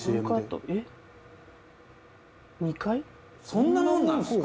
「そんなもんなんすか？」